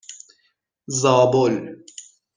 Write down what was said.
زابل